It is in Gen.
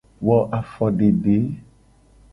Wo afodede.